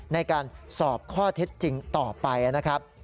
ในการสอบข้อเท็จจริงต่อไปนะครับ